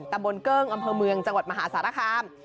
ตำบลเกิ้งอำเภอเมืองจังหวัดมหาสารคาม